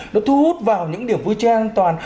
nó thu hút vào những điểm vui chơi an toàn